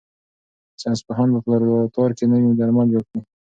ساینس پوهانو په لابراتوار کې نوي درمل جوړ کړل.